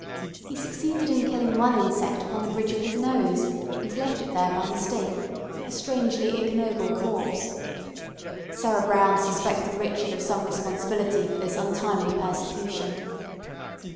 He succeeded in killing one insect upon the bridge of his nose, and left it there by mistake, a strangely ignoble corpse. Sarah Brown suspected Richard of some responsibility for this untimely persecution.